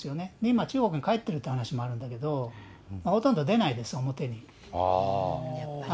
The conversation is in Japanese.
今、中国に帰ってるって話もあるんだけど、ほとんど出ないです、表に。